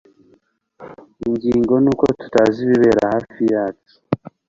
ingingo ni uko tutazi ibibera hafi yacu